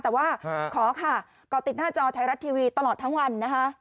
แต่ว่าขอค่ะก่อติดหน้าจอไทยรัฐทีวีตลอดทั้งวันนะคะ